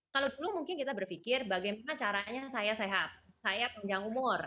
kalau dulu mungkin kita berpikir bagaimana caranya saya sehat saya panjang umur